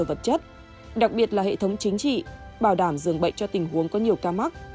vật chất đặc biệt là hệ thống chính trị bảo đảm dường bệnh cho tình huống có nhiều ca mắc